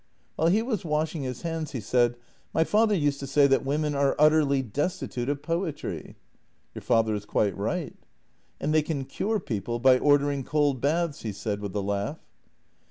" While he was washing his hands he said :" My father used to say that women are utterly destitute of poetry." " Your father is quite right." " And they can cure people by ordering cold baths," he said, with a laugh.